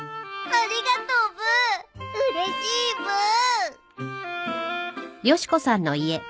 ありがとうブーうれしいブー。